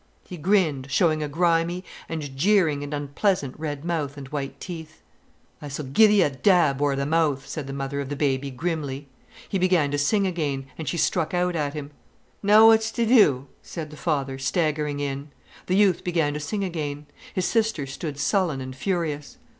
He grinned, showing a grimy, and jeering and unpleasant red mouth and white teeth. "I s'll gi'e thee a dab ower th' mouth," said the mother of the baby grimly. He began to sing again, and she struck out at him. "Now what's to do?" said the father, staggering in. The youth began to sing again. His sister stood sullen and furious.